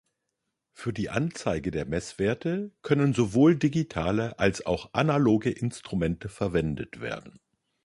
Für die Anzeige der Messwerte können sowohl digitale als auch analoge Instrumente verwendet werden.